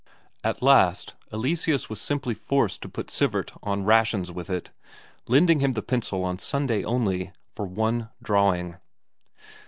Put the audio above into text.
At last Eleseus was simply forced to put Sivert on rations with it, lending him the pencil on Sunday only, for one drawing.